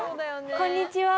こんにちは！